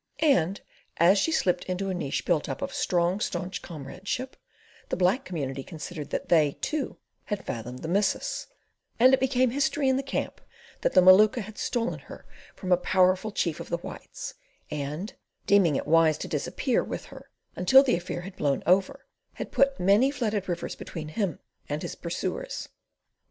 And as she slipped into a niche built up of strong, staunch comradeship, the black community considered that they, too, had fathomed the missus; and it became history in the camp that the Maluka had stolen her from a powerful Chief of the Whites, and, deeming it wise to disappear with her until the affair had blown over, had put many flooded rivers between him and his pursuers.